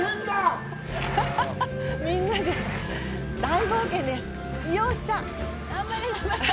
みんなで大冒険です。